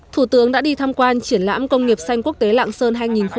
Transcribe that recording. thủ tướng đã đi tham quan triển lãm công nghiệp xanh quốc tế lạng sơn hai nghìn hai mươi bốn